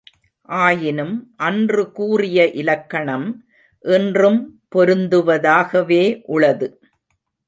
ஆயினும், அன்று கூறிய இலக்கணம், இன்றும் பொருந்துவதாகவே உளது.